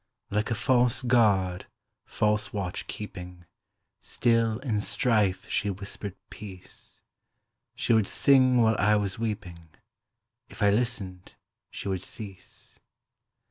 Like a false guard, false watch keeping, Still, in strife, she whispered peace; She would sing while I was weeping; If I listened, she would cease.